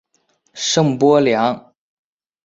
圣波良。